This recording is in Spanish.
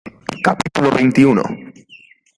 capítulo veintiuno.